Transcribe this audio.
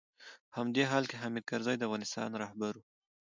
په همدې حال کې حامد کرزی د افغانستان رهبر و.